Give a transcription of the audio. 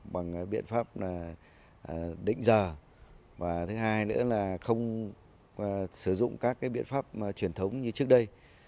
với biện pháp đỉnh giờ không sử dụng các biện pháp truyền thống như trước đây